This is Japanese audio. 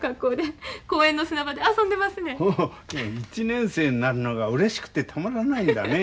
１年生になるのがうれしくてたまらないんだね。